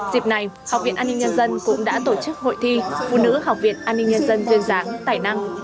dịp này học viện an ninh nhân dân cũng đã tổ chức hội thi phụ nữ học viện an ninh nhân dân duyên giáng tài năng